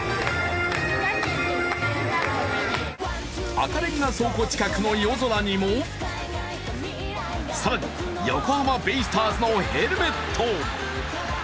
赤レンガ倉庫近くの夜空にも更に横浜ベイスターズのヘルメット。